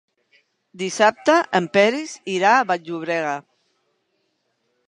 Dissabte en Peris irà a Vall-llobrega.